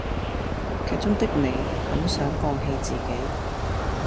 劇中的李很想放棄自己